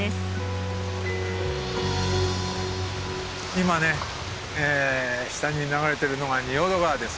今ね下に流れてるのが仁淀川ですね。